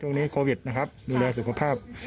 ช่วงนี้โควิดนะครับดูแลสุขภาพ